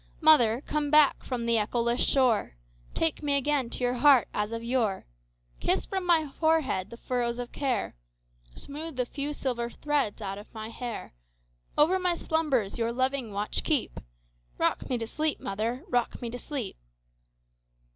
Mother, come back from the echoless shore, Take me again to your heart as of yore; Kiss from my forehead the furrows of care, Smooth the few silver threads out of my hair; Over my slumbers your loving watch keep;—Rock me to sleep, mother,—rock me to sleep!